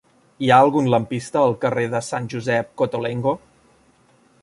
Hi ha algun lampista al carrer de Sant Josep Cottolengo?